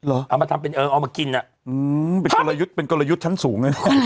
เอามาทำเป็นเอิงเอามากินอ่ะเป็นกลยุทธ์เป็นกลยุทธ์ชั้นสูงเลย